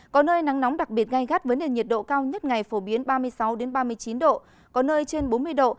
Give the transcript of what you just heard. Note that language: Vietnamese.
có nơi nắng nóng đặc biệt gai gắt với nền nhiệt độ cao nhất ngày phổ biến ba mươi sáu ba mươi chín độ có nơi trên bốn mươi độ